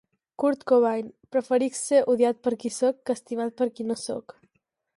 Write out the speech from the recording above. Kurt Cobain: preferisc ser odiat per qui soc que estimat per qui no soc.